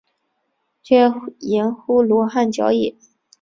曷言乎罗汉脚也？